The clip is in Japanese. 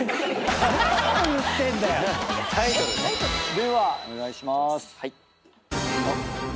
ではお願いします。